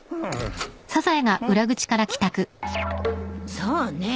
そうねえ。